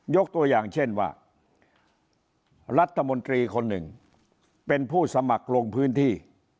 ยกตัวอย่างเช่นว่ารัฐมนตรีคนหนึ่งเป็นผู้สมัครลงพื้นที่